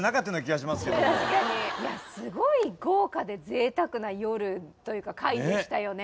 すごい豪華でぜいたくな夜というか回でしたよね。